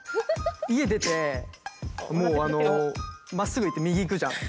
家出て、まっすぐ行って右行くじゃん。